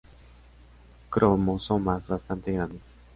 Cromosomas "bastante grandes".